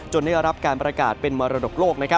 ได้รับการประกาศเป็นมรดกโลก